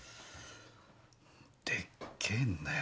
でっけえんだよ